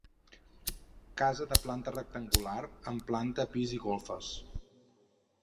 Casa de planta rectangular, amb planta, pis i golfes.